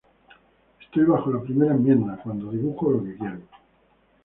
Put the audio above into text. Estoy bajo la primera enmienda cuando dibujo lo que quiero.